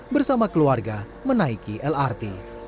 bersama keluarga menaiki lrt